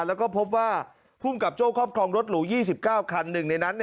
แล้วก็พบว่าภูมิกับโจ้ครอบครองรถหรู๒๙คันหนึ่งในนั้น